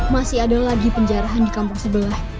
masih ada lagi penjarahan di kampung sebelah